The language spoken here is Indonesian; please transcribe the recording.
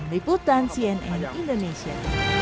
liputan cnn indonesia